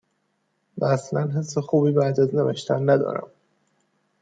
و اصلا حس خوبی بعد از نوشتن ندارم.